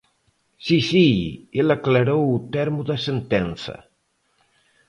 ¡Si, si, el aclarou o termo da sentenza!